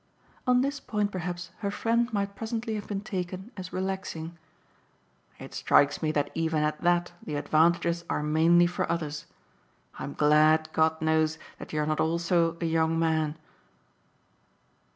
On this point perhaps her friend might presently have been taken as relaxing. "It strikes me that even at that the advantages are mainly for others. I'm glad, God knows, that you're not also a young man."